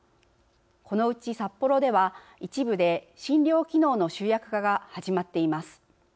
このうち札幌では、一部で診療機能の集約化が始まっています。